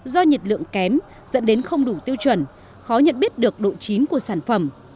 do nhiệt lượng kém dẫn đến không đủ tiêu chuẩn khó nhận biết được độ chín của sản phẩm